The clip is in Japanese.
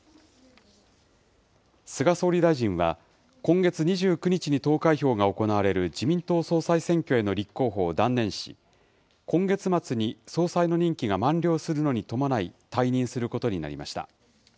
菅総理大臣は、今月２９日に投開票が行われる自民党総裁選挙への立候補を断念し、今月末に総裁の任期が満了するのに伴い、退任することになりました。